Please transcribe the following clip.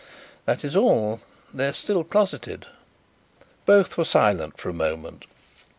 "That is all; they are still closeted." Both were silent for a moment.